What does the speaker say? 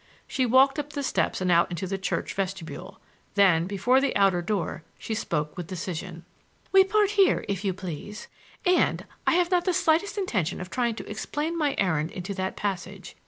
She walked up the steps and out into the church vestibule. Then before the outer door she spoke with decision. "We part here, if you please! And—I have not the slightest intention of trying to explain my errand into that passage.